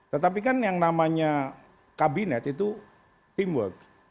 tetapi kan yang namanya kabinet itu teamwork